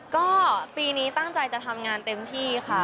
ก็ปีนี้ตั้งใจจะทำงานเต็มที่ค่ะ